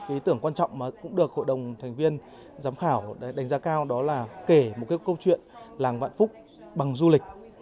ý tưởng quan trọng mà cũng được hội đồng thành viên giám khảo đánh giá cao đó là kể một câu chuyện làng vạn phúc bằng du lịch